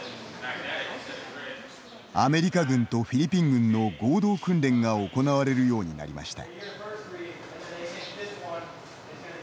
アメリカ軍とフィリピン軍の合同訓練が行われるようになりました。